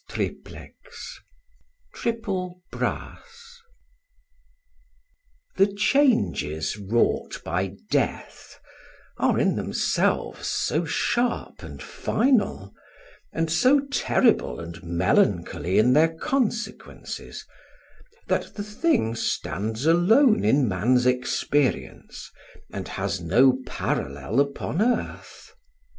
] III AES TRIPLEX The changes wrought by death are in themselves so sharp and final, and so terrible and melancholy in their consequences, that the thing stands alone in man's experience, and has no parallel upon earth.